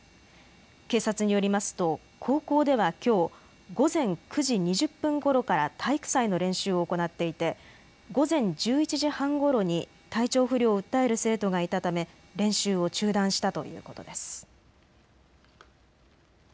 警察によりますと高校ではきょう午前９時２０分ごろから体育祭の練習を行っていて午前１１時半ごろに体調不良を訴える生徒がいたため練習を中断したということです。